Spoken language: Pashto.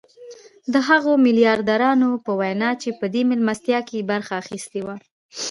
د هغو ميلياردرانو په وينا چې په دې مېلمستيا کې يې برخه اخيستې وه.